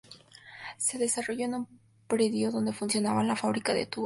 Se desarrolló en un predio donde funcionaba la fábrica de tubos Moore.